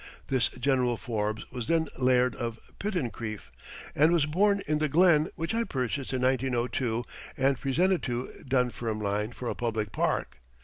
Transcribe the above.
This General Forbes was then Laird of Pittencrieff and was born in the Glen which I purchased in 1902 and presented to Dunfermline for a public park.